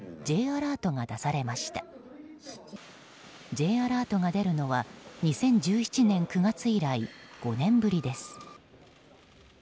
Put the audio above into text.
Ｊアラートが出るのは２０１７年９月以来５年ぶりです。